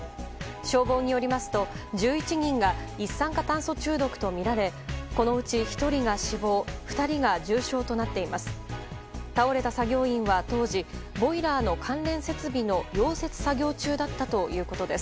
消防によりますと１１人が一酸化炭素中毒とみられこのうち１人が死亡２人が重症となっています。